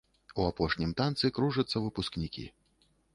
У апошнім танцы кружацца выпускнікі.